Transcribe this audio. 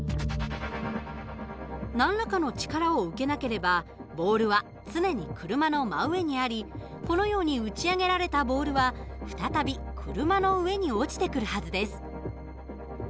何らかの力を受けなければボールは常に車の真上にありこのように打ち上げられたボールは再び車の上に落ちてくるはずです。